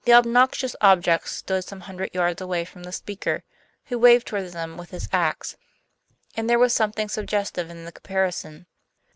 The obnoxious objects stood some hundred yards away from the speaker, who waved toward them with his ax; and there was something suggestive in the comparison.